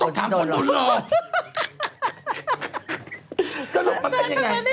อ๋อต้องทำคนตุรนติว